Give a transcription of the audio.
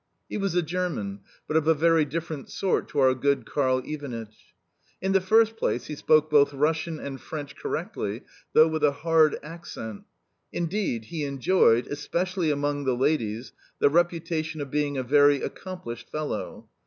He was a German, but of a very different sort to our good Karl Ivanitch. In the first place, he spoke both Russian and French correctly, though with a hard accent Indeed, he enjoyed especially among the ladies the reputation of being a very accomplished fellow.